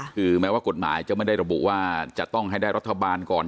คือแม้ว่ากฎหมายจะไม่ได้ระบุว่าจะต้องให้ได้รัฐบาลก่อน